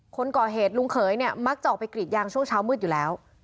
คนก่อเหตุลุงเขยเนี่ยมักจะออกไปกรีดยางช่วงเช้ามืดอยู่แล้ว